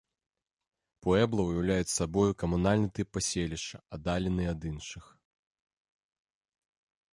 Пуэбла ўяўляюць сабою камунальны тып паселішча, аддалены ад іншых.